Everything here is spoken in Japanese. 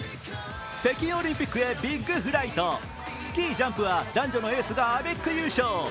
北京オリンピックへビッグフライト、スキージャンプは男女のエースがアベック優勝。